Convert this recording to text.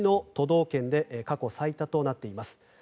道県で過去最多となっています。